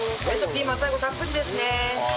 ピーマン最後たっぷりですね。